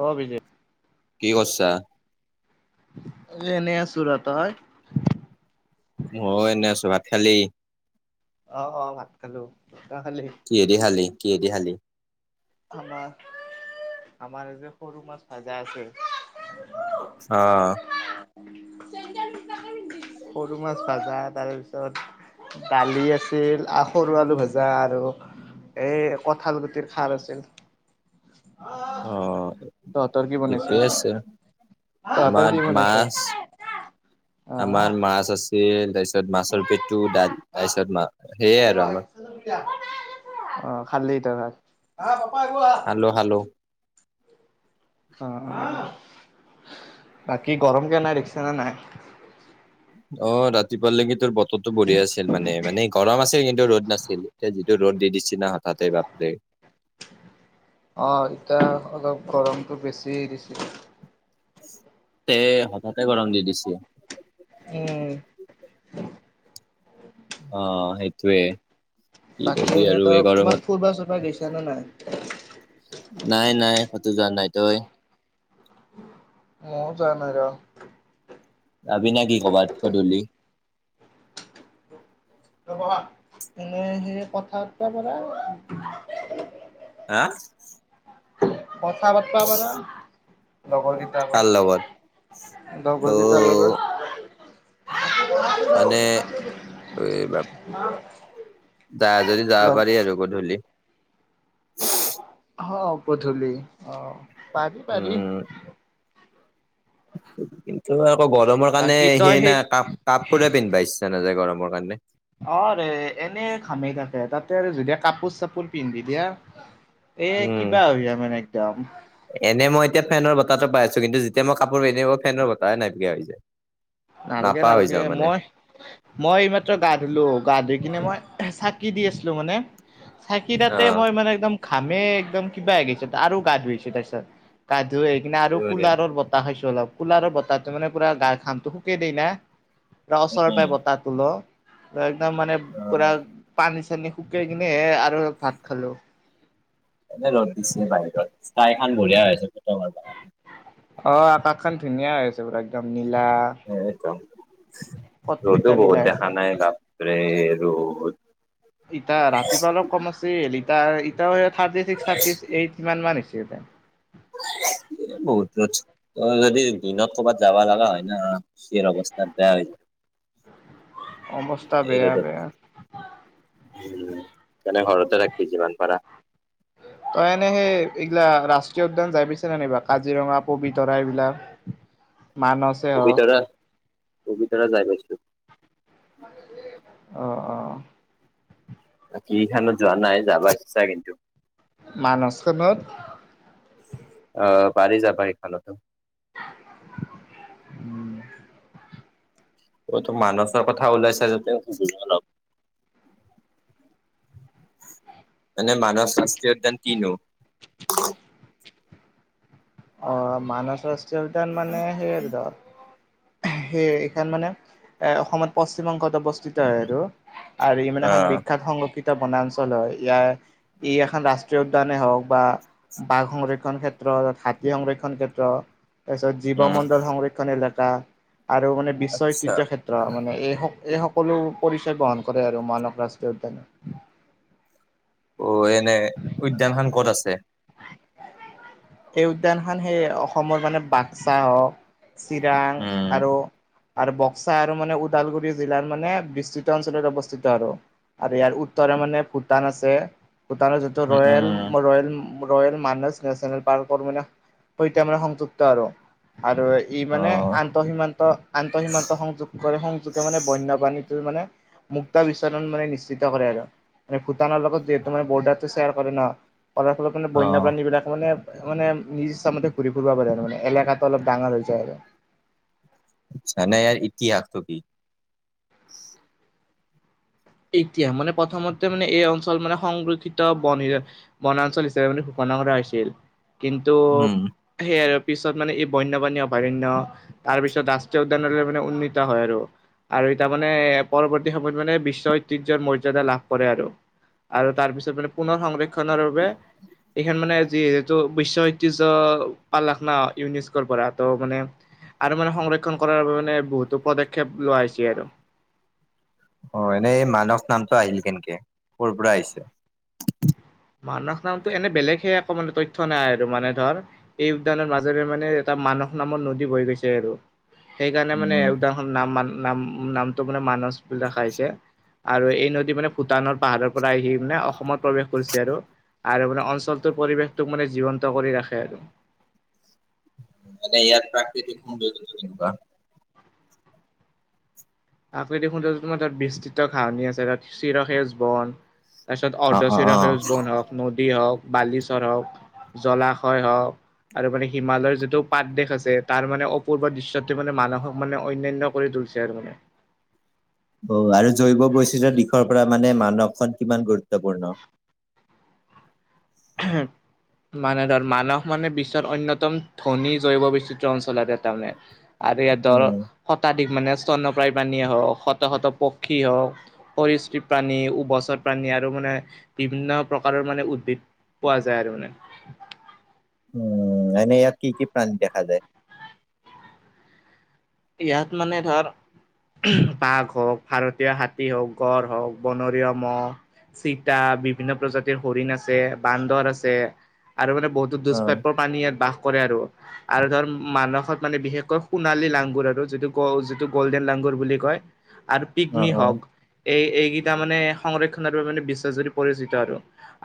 অহ, বিজে কি কৰছা? এনে আছো ৰ' তই? মই এনে আছো ভাত খালি? অহ - অহ ভাত খালো তই খালি? কিহেদি খালি? কিহেদি খালি? আমাৰ- আমাৰ যে সৰু মাছ ভাজা আছিল অ', সৰু মাছ ভাজা তাৰ পিছত দালি আছিল আহ সৰু আলু ভাজা আৰু এ কঠাল গুটিৰ খাৰ আছিল। [unintelligible] অ', তহঁতৰ কি বনাইছে? ঠিকে আছে। তহঁতৰ কি আমাৰ বনাইছে মাছ- আহ আমাৰ মাছ আছিল তাইছ তাৰপিছত মাছৰ পেটো ডাল তাৰপিছত সেয়ে আৰু আমাৰ। অ খালি তই ভাত? হাল্ল', - হাল্ল', অহ, [unintelligible] বাকী গৰম কেনে দেখছা নে নাই? অহ, ৰাতিপুৱালেগী তোৰ বতৰটো বঢ়িয়া আছিল মানে- মানে গৰম আছিল কিন্তু ৰ'দ নাছিল এতিয়া যিটো ৰ'দ দি দিছে না হঠাতে বাপৰে অহ, এতিয়া অলপ গৰমটো বেছিয়ে দিছে। তে হঠাতে গৰম দি দিচি। উম। অহ, সেইটোৱে। কি বাকী কবি এনেই আৰু তো এই ক'বাত গৰমত। ফুৰিবা চোৰবা গৈছা নে নাই? নাই -নাই কটো যোৱা নাই তই? মৈও যোৱা নাই ৰ ' যাবি না কি ক'বাত গধূলি? [unintelligible] এনে সেই কথা [unintelligible] হা? কথা পাতবা পাৰা লগৰ কিতাৰ কাৰ লগত? [unintelligible] অ লগৰ কিতা লগত মানে এই যা যদি যাব লগ পাৰি আৰু গধূলি অহ, পুধূলি অহ পাৰি- পাৰি উম কিন্তু আকৌ গৰমৰ কাৰণে বাকী তই সেই না কাপ- কাপোৰে পিন্ধবা ইচ্ছা নাযায় গৰম মৰ কাৰণে অহ, ৰে এনে ঘামেই থাকে তাতে আৰু যদি কাপোৰ- চাপোৰ পিন্ধি দিয়া এ উম কিবা হৈ যাই মানে একদম এনে মই এতিয়া ফেনৰ বতাহটো পাই আছো কিন্তু যেতিয়া মই কাপোৰ পিন্ধিব ফেনৰ বতাহ নাইকিয়া হৈ যায়। নালগে নাপা - হৈ নালগে, যাওঁ মানে মই -মই এই মাত্ৰ গা ধুলো গা -ধুই কিনে মই চাকি দি আছিলো মানে চাকি অ তাতে মই মানে একম ঘাম একদম কিবা হৈ গিছে আৰু গা- ধুই আহিছে তাৰ পিছত গা - ধুই আহী কিনে আৰু উম কুলাৰৰ বতাহ খাইছোঁ। জলপ কোলাৰৰ বতাহটো মানে পোৰা গাৰ ঘামটো শুকে দেই না [unintelligible] অচৰৰ পে বতাহটো ল ' একদম মানে পুৰা পানী- চানী শুকাই কিনেহে আৰু ভাত খালো। এনে ৰ'দ দিছে বাহিৰত ইস্কাই খান বঢ়িয়া হৈছে ফটো মাৰবা কাৰনে অহ, আকাশ খন ধুনীয়া হৈ আছে পোৰা একদম নীলা এ কম ৰ'টো কটকটীয়া বহত নীলা হৈ দেখা আছে নাই ক তে [unintelligible] ইতিটা ৰাতিপুৱা অলপ কম আছে হল ই থাৰ্টিক্স থাৰ্টি এইটমান হৈছে। [inaudible] এ বহুত যদি দিনত কৰ'ৰবাত যাব লগা হয় ন। শেৰ অৱস্থা তাৰ বেয়া হৈছে। অৱস্থা বেয়া বেয়া। উ এনে ঘৰতে ৰাখবি যিমান পাৰা। তই এনে সেই এইগিলা ৰাষ্ট্ৰীয় উদ্যান যাই পিছে নে নাই বা কাজিৰঙা পবিতৰা এইবিলাক [inaudible] মানছে আহ পবিতৰা পবিতৰা যাই পাইছো। আহ অ। বাকী খানত যোৱা নাই যাব ইচ্ছা কিন্তু। মানস খনত? অ পাৰি যাবা সেইখনটো। অটো মানসৰ কথা ওলাইছা যেতে অলপ মানে মানহ ৰাষ্ট্ৰীয় উদ্যান কিনো? [unintelligible] অ মানৱ ৰাষ্ট্ৰীয় উদ্যান মানে সেই আৰু ধৰ সেইয়ে এইখন মানে এ অসমত পশ্চিম অংশত অৱস্থিত হয় আৰু। আৰু ইমান এখন অ' বিখ্যাত সংৰক্ষিত এ বনাঞ্চল হয় ইয়াৰ ই এখন ৰাষ্ট্ৰীয় উদ্যানে হওক বা বাঘ সংৰক্ষণ ক্ষেত্ৰত হাত সংৰক্ষণ ক্ষেত্ৰ তাৰপিছত জীৱ উম, মণ্ডল সংৰক্ষণ এলেকা। আৰু মানে বিশ্ব আচ্ছা ঐতিহ্য ক্ষেত্ৰ মানে এই এই সকলো পৰিচয় বহন কৰে আৰু মানৱ ৰাষ্ট্ৰীয় উদ্যানে। অ এনে উদ্যান খ ক'ত আছে? সেই উদ্যান খন সেই অসমৰ মানে বাক্সা হওক চিৰাং উম, আৰু আৰু বক্সা আৰু মানে ওদালগুৰি জিলাৰ মানে বিস্তৃত অঞ্চলত অৱস্থিত আৰু আৰু ইয়াৰ উত্তৰ। মানে ভূটান আছে ভূটানৰ যিটো উম, উম, ৰয়েল উম। ৰেল ৰয়েল মান নেচনেল। পাৰকৰ ম সৈতে মানে সংযুক্ত আৰু। আৰু ই মানে অ', আন্তঃ সীমান্ত আন্তঃ সীমান্ত সংযোগ কৰে সংযোগে মানে বন্যপাণীটো মানে মুক্তা বিচৰণ মানে নিশ্চিত কৰে আৰু মানে ভূটানৰ লগত যিহেতু মান বৰ্ডাৰটো শেয়াৰ কৰে ন, কৰাৰ ফলত মানে বন্য অ', প্ৰাণী বিলাক মানে মানে নিজ ইচামতে ঘূৰি ফুৰিব পাৰে আৰু মানে এলেকাতটো অলপ ডাঙৰ হৈ যায় আৰু। ছ নাইয়াৰ ইতিহাসটো কি? এতিয়া মানে প্ৰথমতে মানে এই অঞ্চল মানে সংৰক্ষিত ব বনাঞ্চল হিচাপে মানে শুক কৰা হৈছিল কিন্তু উম, সেই আৰু পিছত মানে এই বন্যপাণী অভয়াৰণ্য তাৰ পিছত ৰাষ্ট্ৰীয় উদ্যানলৈ মানে উন্নীত হয় আৰু। আৰু এটা মানে পৰৱৰ্তী সময়ত মানে বিশ্ব ঐতিহ্ৰৰ মৰ্যাদা লাভ কৰে আৰু। তাৰ পিছত মানে পুনৰ সংৰক্ষ। নৰ বাবে এইখন মানে। যি যহেতটো বিশ্বয় ঐতৰ্য্য পালাক না ইউনিস্কৰ পৰা ত' মানে আৰু মানে সংৰক্ষণ কৰাৰ বাবে মানে বহুতো পদক্ষেপ লোৱা হৈছে আৰু। [inaudible] অ এনেই এই মানস নামটো আহিল কেনেকে ক'ৰ পৰা আহিছে? মানুস নামতটো এনে বেলেগহে একো মানে তথ্য নাই আৰু মানে ধৰ এই উদ্যানৰ মাজেৰে মানে এটা মান স নামত নদী বহৈ গৈছে আৰু সেইকাৰণে মানে উম, এড নামান নাম নামটো মানে মানচ বুলি ৰখা হৈছে। আৰু এই নদী মানে ভূটানৰ পাহাৰৰ পৰা আহি মানে অসমত প্ৰৱেশ কৰিছে আৰু আৰু মানে অঞ্চলটোৰ পৰিৱেশটোক মানে জীৱন্ত কৰি ৰাখে আৰু মে ইয়াত প্ৰাকৃতিক সুন্দয্যতা আকৃতিক সৌন্দৰ্য তোমাৰ তাত বিস্তৃত ঘাহিনি আছে তাত চিৰসেউজ বন। তাৰপিছত অ', অ', অৰ্ধচৰা অ'। সেউজ বন হওক নদী হওক বালিচ্বৰ হওক জলাশয় হওক আৰু মানে হিমালয়ৰ যিটো পাত দেশ আছে তাৰ মানে অপূৰ্ব দৃশ্য মানে মানুহক মানে অন্যান্য কৰি তু- তুলিছে আৰু মানে অ আৰু জৈৱ বৈচিত্ৰ দিশৰ পৰা মানে মানৱখন কিমান গুৰুত্বপূৰ্ণ [unintelligible] মানে ধৰ মানস মানে বিশ্বৰ অন্যতম ধনী জৈৱ বিচিত্ৰ অঞ্চলত তাৰ মানে আৰু ইয়াত ধৰ উম শতাধিক মানে স্তণপায় পানীয়ে হক শত শত পক্ষী ক্ষী হওঁক পৰিস্কৃপ প্ৰাণী উভছৰ প্ৰাণী আৰু মানে বিভিন্ন প্ৰকাৰৰ মানে উদ্ভিদ পোৱা যায় আৰু মানে উম এনেই ইয়াক কি কি প্ৰাণী দেখা যায়। ইয়াত মানে ধৰ বাঘ হওক ভাৰতীয় হাতী হওক গড় হওক বনৰীয়া মহ চিতা বিভিন্ন প্ৰজাতিৰ হৰিণ আছে বান্দৰ আছে আৰু মানে বহুতো অ দুষ্প্ৰাপ্যৰ পানী ইয়াত বাহ কৰে আৰু, আৰু ধৰ মানসত মানে বিশেষকৈ সোণালী লাং আৰু যিটো গ যিটো গল্ডেন লাঙগুৰ বুলি কয় আৰু অ পিকমি অ হক এই এইকেইটা মানে সংৰক্ষণৰ বাবে মানে বিশ্বজুৰি পৰিচিত আৰু,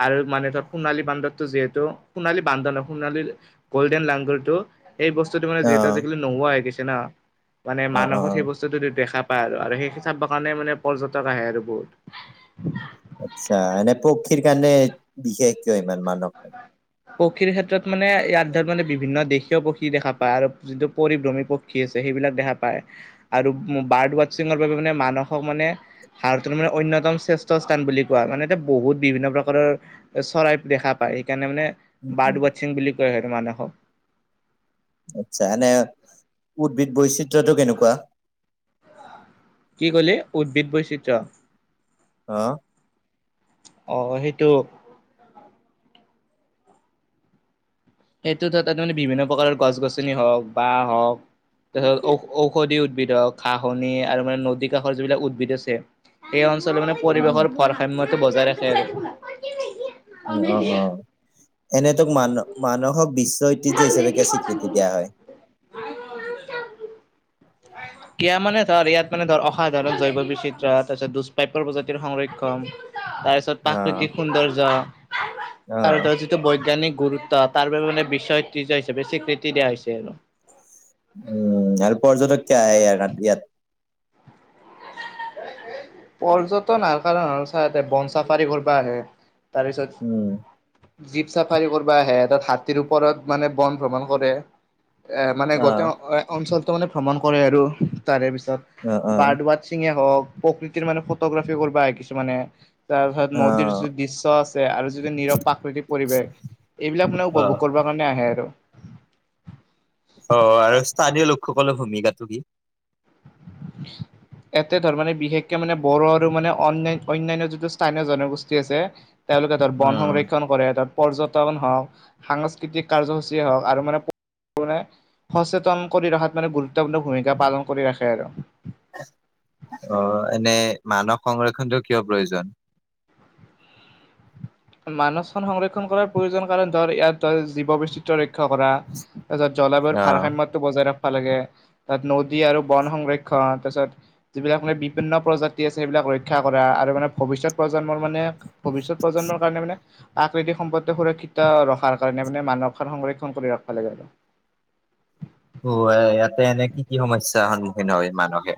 আৰু মানে ধৰ সোণালী বান্দৰ যিহেতু সোণালী বান্দৰ নহয় সোণালীৰ গৌল্ডেন লাংগলটো সেই বস্তুটো মানে অ যিহেতু আজিকালি নোহোৱা হৈ গৈছে না মানে অ অ মানসত সেই বস্তুটোতো দেখা পায় আৰু সেখিনি চাব কাৰণে মানে পৰ্যটক আহে আৰু বহুত আচ্ছা এনে পক্ষীৰ কাৰণে বিশেষ কিয় ইমান মানস পক্ষীৰ ক্ষেত্ৰত মানে ইয়াত ধৰ মানে বিভিন্ন দেশীয় পক্ষী দেখা পায় আৰু যিটো পৰিভ্ৰমী পক্ষী আছে। সেইবিলাক দেখা পায় আৰু বাৰ্ড ৱাছিঙৰ বাবে মানে মানসক মানে ভাৰতৰ মানে অন্য একদম শ্ৰেষ্ঠ স্থান বুলি কোৱা মানে এতিয়া বহুত বিভিন্ন প্ৰকাৰৰ চৰাই দেখা সেইকাৰণে মানে উম উম বাৰ্ড ৱাছিং বুলি কয় আৰু মানসক। আচ্ছা এনে উদ্ভিদ বৈচিত্ৰটো কেনেকুৱা? কি কলি উদ্ভিদ বৈচিত্ৰ্য অহ অহ সেইটো সেইটোত তাত মানে বিভিন্ন প্ৰকাৰৰ গছ গছনি হওঁক বাঁ হওঁক তাৰপিছত ঔ ঔষধি উদ্ভিদ হওঁক খা খহনি আৰু মানে নদী কাষৰ যিবিলাক উদ্ভিদ আছে এই অঞ্চল মানে উম উম পৰিৱেশৰ ভাৰসাম্যতো বজাই ৰাখে আৰু অ অ এনেই তো মান মানসক বিশ্ব ঐতিহ্য হিচাপে একে স্বীকৃতি দিয়া হয়। কিয় মানে ধৰ ইয়াত মানে ধৰ অসাধাৰণ জৈৱ বৈচিত্ৰ্য, তাৰপিছত দুষ্প্ৰাপ্যৰ প্ৰজাতিৰ সংৰক্ষণ তাৰপিছত অ প্ৰাকৃতিক সৌন্দৰ্য অ তাৰ ধৰ যিটো বৈজ্ঞানিক গুৰুত্ব তাৰ বাবে মানে বিশ্ব ঐতিহ্য হিচাপে স্বীকৃতি দিয়া হৈছে আৰু। উম আৰু পৰ্যটক কিয় আহে ইয়াৰ ইয়াত পৰ্যটন আহাৰ কাৰণ হ'ল ইয়াতে বন চাফাৰী কৰিবা আহে তাৰ পিছত উম জীপ চাফাৰী কৰিব আহে তাত হাতীৰ ওপৰত মানে বন ভ্ৰমণ কৰে। এ মানে গোটেই অ অঞ্চলটো মানে ভ্ৰমণ কৰে আৰু তাৰে পিছত অ অ বাৰদোৱাত। হওঁক প্ৰকৃতিৰ মানে ফটোগ্ৰাফি কৰিব আহে কিছুমানে তাৰপিছত নদীৰ যিটো দৃশ্য আছে আৰু যিটো নীৰৱ প্ৰাকৃতিৰ পৰিৱেশ। এইবিলাক মানে অ অ উপভোগ কৰিব কাৰণে আহে আৰু। অ আৰু স্থানীয় লোকসকলৰ ভূমিকাটো কি? উ [inaudible] এতে ধৰ মানে বিশেষকে মানে বড়ো আৰু মানে অন্য অন্যান্য যিটো স্থানীয় জনগোষ্ঠী আছে। তেওঁলোকে তাত বন উম সংৰক্ষণ কৰে। তাত পৰ্যটন হওঁক সাংস্কৃতিক কাৰ্যসূচী হওঁক আৰু মানে সচেতন কৰি ৰখাত মানে গুৰুত্বপূৰ্ণ ভূমিকা পালন কৰি ৰাখে আৰু অ এনে মানস সংৰক্ষণটো কিয় প্ৰয়োজন? [inaudible] মানসখন সংৰক্ষণ কৰাৰ প্ৰয়োজন কাৰণে ধৰ ইয়াত ধৰ জীৱ বৈচিত্ৰ্যৰ ৰক্ষা কৰা। তাৰপিছত জলবায়ুৰ অ ভাৰসাম্যটো বজাই ৰখা। খিব লাগে। তাত নদী আৰু বন সংৰক্ষণ তাৰপিছত যিবিলাক মানে বিভিন্ন প্ৰজাতি আছে, সেইবিলাক ৰক্ষা কৰা আৰু মানে ভৱিষ্যত প্ৰজন্মৰ মানে ভৱিষ্যত প্ৰজন্মৰ কাৰণে মানে প্ৰাকৃতিক সম্পদ সুৰক্ষিত ৰখাৰ কাৰণে মানে মানসখন সংৰক্ষণ কৰি ৰাখিব লাগে আৰু অ ইয়াতে এনে কি কি সমস্যাৰ সন্মুখীন হয় মানসে?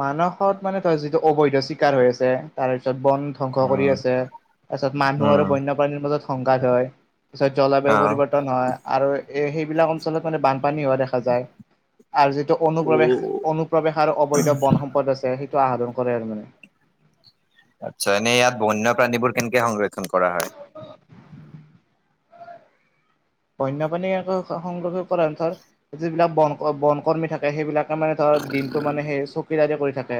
মানসত মানে ধৰ যিটো অবৈধ চিকাৰ হৈ আছে। তাৰ পিছত বন ধ্বংস কৰি উম আছে। তাৰপিছত মানুহ আৰু উম বন্যপ্ৰাণীৰ মাজত সংঘাত হয়। তাপিছত জলবায়ু অ পৰিৱৰ্তন হয় আৰু এই সেইবিলাক অঞ্চলত মানে বানপানী হোৱা দেখা যায়। আৰু যিটো অনুপ্ৰৱেশ অনুপ্ৰৱেশ আৰু অবৈধ বন সম্পদ আছে সেই টো আহা ধন কৰে আৰু মানে। আচ্ছা, এনে ইয়াত বন্যপ্ৰাণীবোৰ কেনেকে সংৰক্ষণ কৰা হয়? বন্যপাণী আকো স- সংৰক্ষণ কৰা ধৰ, যিবিলাক বনক- বনকৰ্মী থাকে, সেইবিলাকে মানে ধৰ ত দিনটো মানে সেই চকীদাৰি কৰি থাকে।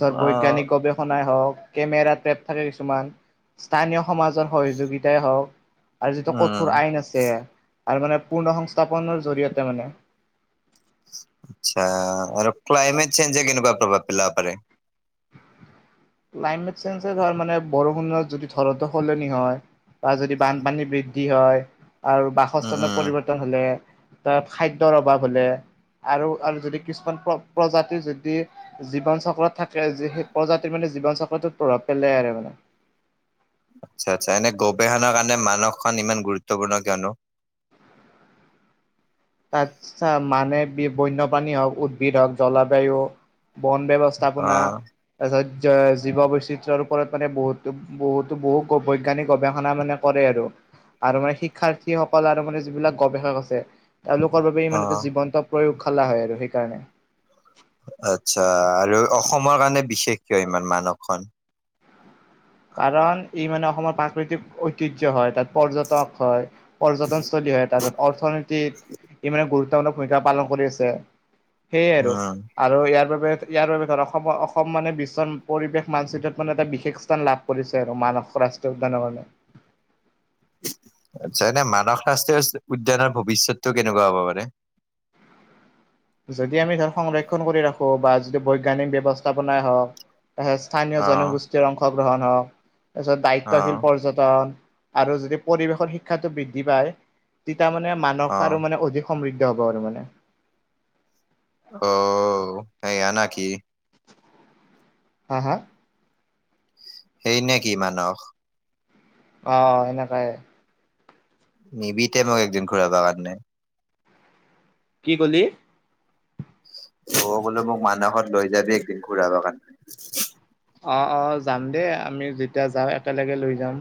ধৰ, অ বৈজ্ঞানিক গৱেষণাই হওঁক কেমেৰা, টেপ থাকে কিছুমান। স্থানীয় সমাজৰ সহযোগিতাই হওঁক আৰু যিটো উম কঠোৰ আইন আছে আৰু মানে পূৰ্ণ সংস্থাপনৰ জৰিয়তে মানে আচ্ছা, আৰু ক্লাইমেট চেঞ্জে কেনেকুৱা প্ৰভাৱ পেলাব পাৰে? ক্লাইমেট চেঞ্জে ধৰ, মানে বৰষুণ যদি ধৰোতে সলনি হয় বা যদি বানপানী বৃদ্ধি হয়, আৰু উম বাসস্থানত উম পৰিৱৰ্তন হ'লে তাত খাদ্যৰ অভাৱ হ'লে আৰু- আৰু যদি কিছুমান প্ৰ- প্ৰজাতি যদি জীৱন চক্ৰত থাকে, যে সেই প্ৰজা তি মানে জীৱন চক্ৰটোত প্ৰভাৱ পেলায় আৰু মানে। আচ্ছা - আচ্ছা। এনে গৱেষণাৰ কাৰণে মানসখন ইমান গুৰুত্বপূৰ্ণ কিয়নো? [unintelligible] তাতছা মানে বি- বন্যপ্ৰাণী হওঁক, উদ্ভিদ হওঁক, জলবায়ু বন অ ব্যৱস্থাপনা, তাৰপিছত যে জীৱবৈচিত্ৰ্যৰ ওপৰত মানে বহুতো - বহুতো বহু বৈজ্ঞানিক গৱেষণা মানে কৰে আৰু। আৰু মানে শিক্ষাৰ্থীসকল আৰু মানে যিবিলাক গৱেষক আছে তেওঁলোকৰ বাবে অ ইমান এটা জীৱন্ত প্ৰয়োগশালা হয় আৰু সেইকাৰণে। আচ্ছা, আৰু অসমৰ কাৰণে বিশেষ কিয় ইমান মানসখন? কাৰণ ই মানে অসমৰ প্ৰাকৃতিক ঐতিহ্য হয়। তাত পৰ্যটক হয়, পৰ্যটনস্থলী হয় তাৰছত, অৰ্থনীতিত ইমানে গুৰুত্ব ত মানে ভূমিকা পালন কৰি আছে। সেয়ে আৰু। উম আৰু ইয়াৰ বাবে ইয়াৰ বাবে ধৰা সম- অসম মানে বিশ্বৰ পৰিবেশ মানচিত্ৰত মানে এটা বিশেষ স্থান লাভ কৰিছে আৰু, মানস ৰাষ্ট্ৰীয় উদ্যানৰ কাৰণে। আচ্ছা, এনে মানাস ৰাস্ত্ৰীয় উদ্যানৰ ভৱিষ্যতটো কেনেকুৱা হ'ব মানে? [unintelligible] যদি আমি ধৰ, সংৰক্ষণ কৰি ৰাখোঁ, বা যদি বৈজ্ঞানিক ব্যৱস্থাপনাই হওঁক তাৰপিছত স্থানীয় অ', জনগোষ্ঠীৰ অংশগ্ৰহণ হওঁক, তাৰপিছত দায়িত্বশীল অ', পৰ্যটন আৰু যদি পৰিৱেশৰ শিক্ষাটো বৃদ্ধি পায়, তেতিয়া মানে মানস অ', আৰু মানে অধিক সমৃদ্ধ হ'ব আৰু মানে। অ' এইয়া না কি? হা - হা? সেই নে কি মানস? অ' এনেকায়ে। নিবি তই মোক একদিন ঘুৰাবাৰ কাৰণে। কি ক'লি? মই কলো মোক মানসত লৈ যাবি একদিন ঘূৰাব কাৰণে। অ' - অ' যাম দে। আমি যেতিয়া যাওঁ, একেলগে লৈ যাম।